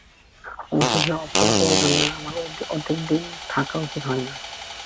অবশেষে অপূর্ব জানাইল আর অধিক দিন থাকা উচিত হয় না।